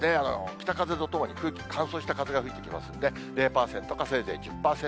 北風とともに空気、乾燥した風が吹いてきますんで、０％かせいぜい１０％。